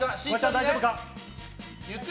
大丈夫か？